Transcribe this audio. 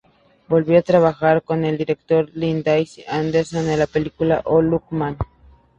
Volvió a trabajar con el director Lindsay Anderson en la película "O Lucky Man!